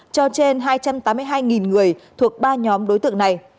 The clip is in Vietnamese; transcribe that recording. cho trên hai trăm tám mươi hai người thuộc ba nhóm đối tượng này